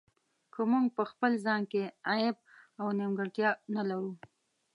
که موږ په خپل ځان کې عیب او نیمګړتیا نه لرو.